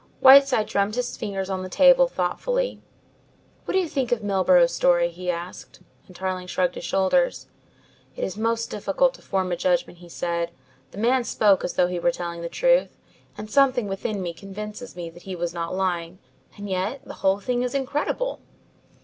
Whiteside drummed his fingers on the table, thoughtfully. "What do you think of Milburgh's story?" he asked, and Tarling shrugged his shoulders. "It is most difficult to form a judgment," he said. "The man spoke as though he were telling the truth, and something within me convinces me that he was not lying. And yet the whole thing is incredible."